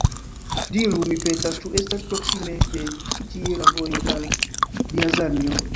Diru, mi petas, ĉu estas proksime de ĉi tie la vojo al Rjazanjo?